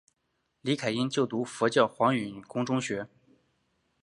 李凯茵就读佛教黄允畋中学。